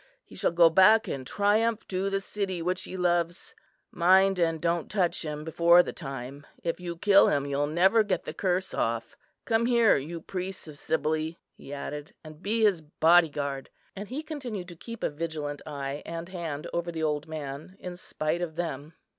He shall go back in triumph to the city which he loves. Mind, and don't touch him before the time. If you kill him, you'll never get the curse off. Come here, you priests of Cybele," he added, "and be his body guard." And he continued to keep a vigilant eye and hand over the old man, in spite of them.